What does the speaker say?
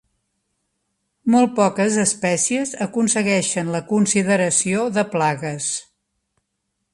Molt poques espècies aconsegueixen la consideració de plagues.